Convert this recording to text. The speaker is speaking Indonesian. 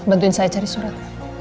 bantuin saya cari surat